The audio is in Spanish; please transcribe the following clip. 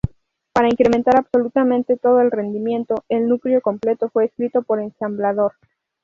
Para incrementar absolutamente todo el rendimiento, el núcleo completo fue escrito en ensamblador.